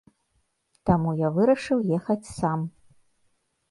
Таму я вырашыў ехаць сам.